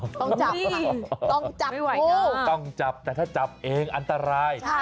ต้องจับต้องจับคู่ต้องจับแต่ถ้าจับเองอันตราย